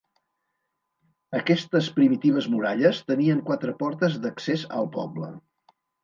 Aquestes primitives muralles tenien quatre portes d'accés al poble.